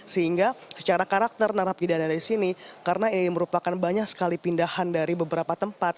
sehingga secara karakter narapidana di sini karena ini merupakan banyak sekali pindahan dari beberapa tempat